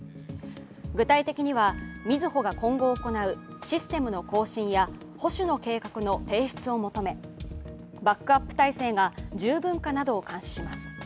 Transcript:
具体的には、みずほが今後行うシステムの更新や保守の計画の提出を求めバックアップ体制が十分かなどを監視します。